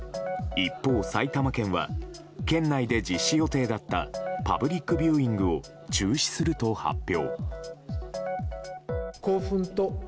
一方、埼玉県は県内で実施予定だったパブリックビューイングを中止すると発表。